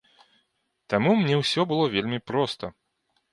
Таму мне ўсё было вельмі проста.